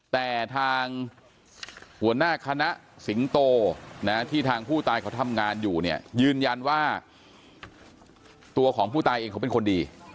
แต่ทางหัวหน้าคณะสิงโตที่ทางผู้ตายเขาทำงานอยู่เนี่ยยืนยันว่าตัวของผู้ตายเองเขาเป็นคนดี